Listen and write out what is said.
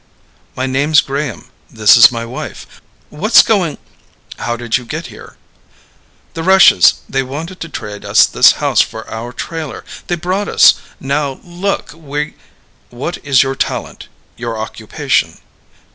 "My name's Graham. This is my wife. What's going " "How did you get here?" "The Rushes they wanted to trade us this house for our trailer. They brought us. Now look, we " "What is your talent your occupation?"